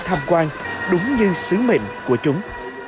tham quan đúng như sứ mệnh của chúng